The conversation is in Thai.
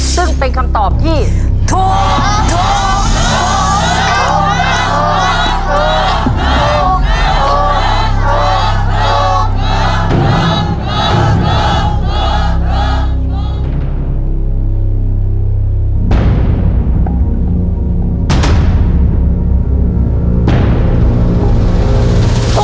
ซึ่งเป็นคำตอบที่ถูกถูกถูก